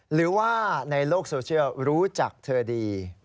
หรือว่าในโลกโซเชียลรู้จักเธอดี